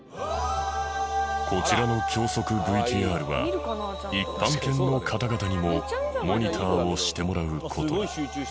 こちらの教則ＶＴＲは一般犬の方々にもモニターをしてもらう事に。